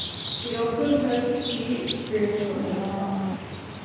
He also has eight grandchildren.